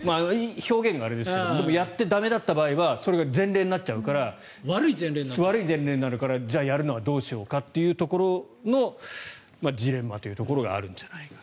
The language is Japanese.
表現があれですがやって駄目だった場合はそれが悪い前例になるから、やるのはどうしようというところのジレンマというところがあるんじゃないか。